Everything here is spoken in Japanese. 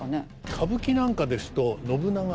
歌舞伎なんかですと信長